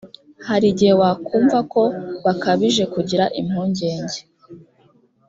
hari igihe wakumva ko bakabije kugira impungenge